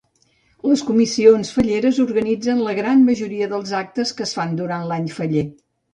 Les comissions falleres organitzen la gran majoria dels actes que es fan durant l'any faller.